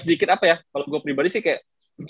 sedikit apa ya kalau gue pribadi sih kayak